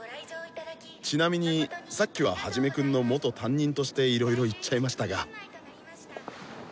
ちなみにさっきはハジメくんの元担任としていろいろ言っちゃいましたが。